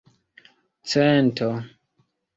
cento